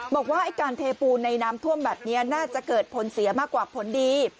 บอกว่าไอ้การเทปูนในน้ำท่วมแบบนี้น่าจะเกิดผลเสียมากกว่าผลดี